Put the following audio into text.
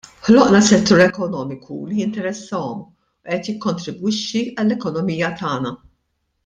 Ħloqna settur ekonomiku li jinteressahom u qed jikkontribwixxi għall-ekonomija tagħna.